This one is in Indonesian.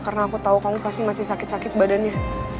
karena aku tau kamu pasti masih sakit sakit badannya